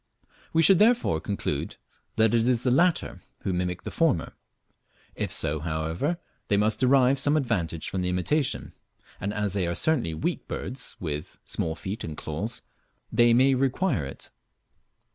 We should therefore conclude that it is the latter who mimic the former. If so, however, they must derive some advantage from the imitation, and as they are certainly weak birds, with small feet and claws, they may require it.